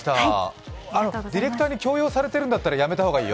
ディレクターに強要されてるんだったらやめた方がいいよ。